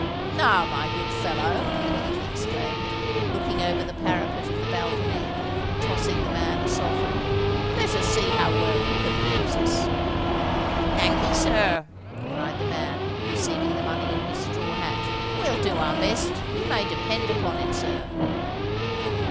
"Now, my good fellow," he exclaimed, looking over the parapet of the balcony, and tossing the man a sovereign, "let us see how well you can amuse us." "Thank'ee, sir," cried the man, receiving the money in his straw hat. "We'll do our best, you may depend upon it, sir."